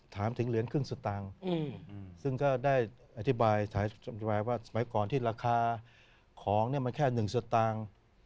ถามถึงเหรียญครึ่งสตางค์ซึ่งก็ได้อธิบายว่าสมัยก่อนที่ราคาของเนี่ยมันแค่๑สตางค์